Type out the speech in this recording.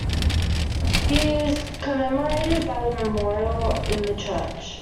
He is commemorated by a memorial in the church.